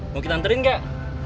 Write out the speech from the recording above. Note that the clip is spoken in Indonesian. mau kita anterin gak